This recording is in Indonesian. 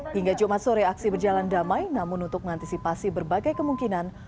hingga jumat sore aksi berjalan damai namun untuk mengantisipasi berbagai kemungkinan